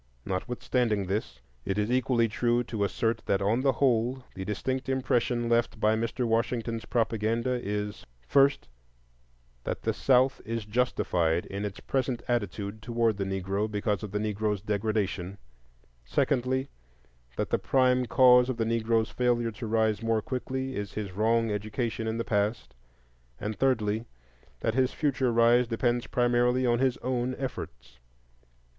Notwithstanding this, it is equally true to assert that on the whole the distinct impression left by Mr. Washington's propaganda is, first, that the South is justified in its present attitude toward the Negro because of the Negro's degradation; secondly, that the prime cause of the Negro's failure to rise more quickly is his wrong education in the past; and, thirdly, that his future rise depends primarily on his own efforts.